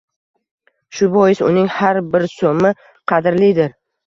Shu bois uning har bir so‘mi qadrlidir.